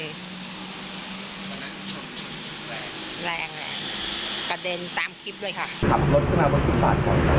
แรงแรงแรงกระเด็นตามคลิปด้วยค่ะขับรถขึ้นมาบนกลิ่นบ้าน